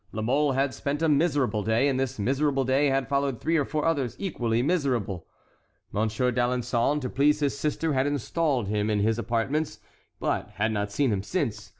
La Mole had spent a miserable day, and this miserable day had followed three or four others equally miserable. Monsieur d'Alençon, to please his sister, had installed him in his apartments, but had not seen him since.